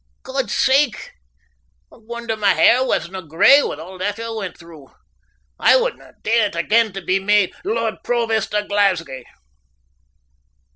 Godsakes! I wonder my hair wasna grey wi' a' that I went through. I wouldna dae it again to be made Lord Provost o' Glasgie.